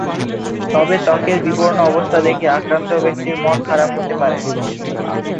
তবে ত্বকের বিবর্ণ অবস্থা দেখে আক্রান্ত ব্যক্তির মন খারাপ হতে পারে।